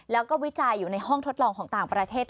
แล้วก็วิจัยอยู่ในห้องทดลองของต่างประเทศ